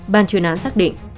ban chuyên án xác định